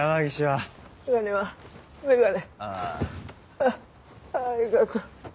あっありがとう。